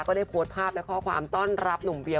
ก็ได้โพสต์ภาพและข้อความต้อนรับหนุ่มเวีย